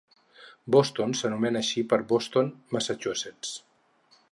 Boston s'anomena així per Boston, Massachusetts.